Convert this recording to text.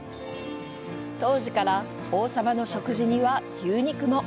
当時から王様の食事には牛肉も。